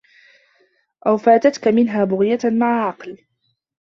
أَوْ فَاتَتْك مِنْهَا بُغْيَةٌ مَعَ عَقْلٍ